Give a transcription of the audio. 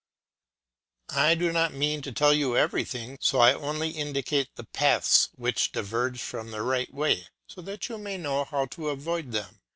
I do not mean to tell you everything, so I only indicate the paths which diverge from the right way, so that you may know how to avoid them.